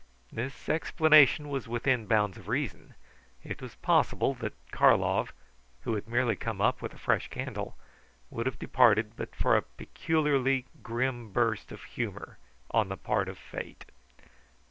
This explanation was within bounds of reason. It is possible that Karlov who had merely come up with a fresh candle would have departed but for a peculiarly grim burst of humour on the part of Fate.